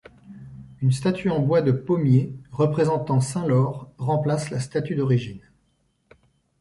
Une statue en bois de pommier représentant saint Laur remplace la statue d'origine.